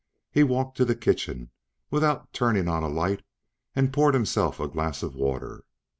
He walked to the kitchen, without turning on a light, and poured himself a glass of water.